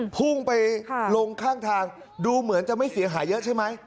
พุ่งไปลงข้างทางดูเหมือนจะไม่เสียหายเยอะใช่ไหม